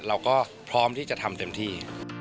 เราก็พร้อมที่จะทำเต็มที่